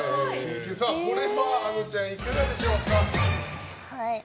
これは、あのちゃんいかがでしょうか？